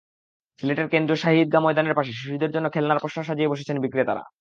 সিলেটের কেন্দ্রীয় শাহি ঈদগাহ ময়দানের পাশে শিশুদের জন্য খেলনার পসরা সাজিয়ে বসেছেন বিক্রেতারা।